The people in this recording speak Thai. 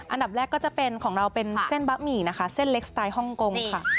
อันดับแรกก็จะเป็นของเราเป็นเส้นบะหมี่นะคะเส้นเล็กสไตล์ฮ่องกงค่ะ